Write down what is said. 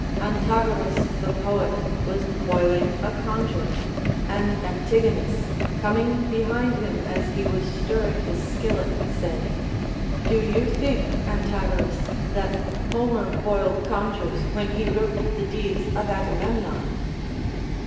Antagoras the poet was boiling a conger, and Antigonus, coming behind him as he was stirring his skillet, said : Do you think, Antagoras, that Homer boiled congers, when he wrote the deeds of Agamemnon